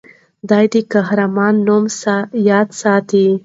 د دې قهرمانې نوم یاد ساته.